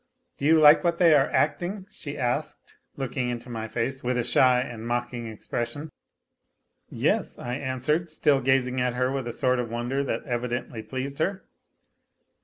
" Do you like what they are acting ?" she asked, looking into my face with a shy and mocking expression. " Yes," I answered, still gazing at her with a sort of wonder that evidentty pleased her.